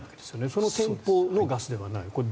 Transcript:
その店舗のガスではない。